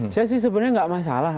saya sih sebenarnya nggak masalah